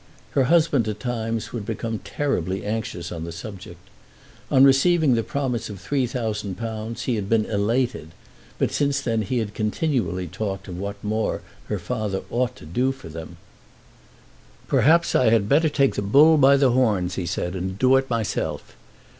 Her husband at times would become terribly anxious on the subject. On receiving the promise of £3000 he had been elated, but since that he had continually talked of what more her father ought to do for them. "Perhaps I had better take the bull by the horns," he said, "and do it myself.